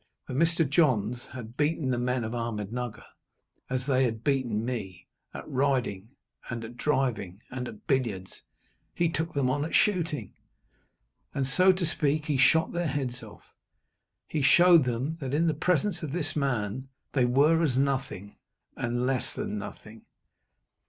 When Mr. Johns had beaten the men of Ahmednugger as they had beaten me at riding, and at driving, and at billiards, he took them on at shooting. And, so to speak, he shot their heads off. He showed them that, in the presence of this man, they were as nothing, and less than nothing.